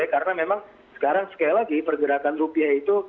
karena memang sekarang sekali lagi pergerakan rupiah itu